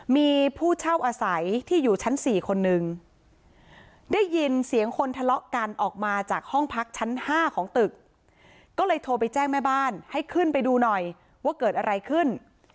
มีผู้เช่าอาศัยที่อยู่ชั้น๔คนนึงได้ยินเสียงคนทะเลาะกันออกมาจากห้องพักชั้น๕ของตึกก็เลยโทรไปแจ้งแม่บ้านให้ขึ้นไปดูหน่อยว่าเกิดอะไรขึ้น